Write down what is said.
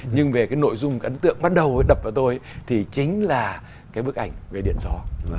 nhưng về cái nội dung ấn tượng bắt đầu đập vào tôi thì chính là cái bức ảnh về điện gió